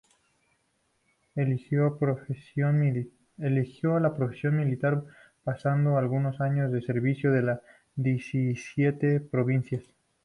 Eligió la profesión militar, pasando algunos años de servicio en las Diecisiete Provincias.